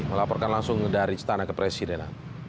melaporkan langsung dari cetana ke presiden